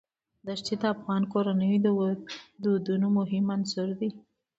دښتې د افغان کورنیو د دودونو مهم عنصر دی.